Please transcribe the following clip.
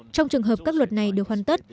trong trường hợp các luật này được hoàn tất